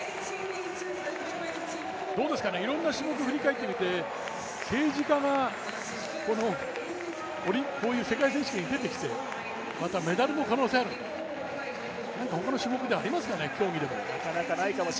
どうですかね、いろんな試合を振り返ってみて政治家がこういう世界選手権に出てきて、メダルの可能性がある、何か他の種目でありますかね、競技ても。